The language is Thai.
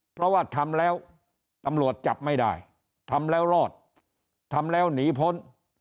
เพราะว่าทำแล้วตำรวจจับไม่ได้ทำแล้วรอดทำแล้วหนีพ้น